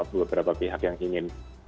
beberapa pihak yang ingin